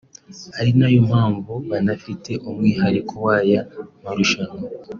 ari nayo mpamvu banafite umwihariko w’aya marushanwa